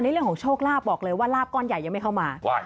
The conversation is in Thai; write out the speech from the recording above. เรื่องของโชคลาภบอกเลยว่าลาบก้อนใหญ่ยังไม่เข้ามา